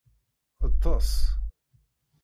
Ṭṭes.